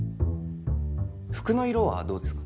服の色はどうですか？